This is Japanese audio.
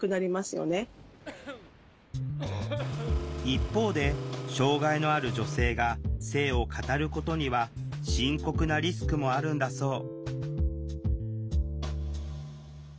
一方で障害のある女性が性を語ることには深刻なリスクもあるんだそう